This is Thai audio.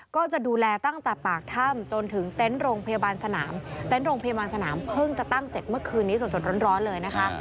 ก็จะดูแลตั้งแต่ปากถ้ำจนถึงเต็นต์โรงพยาบาลสนามเต็นต์โรงพยาบาลสนามเพิ่งจะตั้งเสร็จเมื่อคืนนี้สดร้อนเลยนะคะ